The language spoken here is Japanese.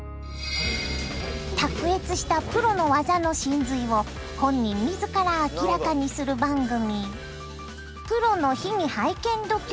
卓越したプロの技の神髄を本人自ら明らかにする番組。